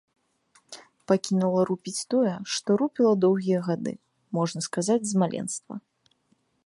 Пакінула рупіць тое, што рупіла доўгія гады, можна сказаць з маленства.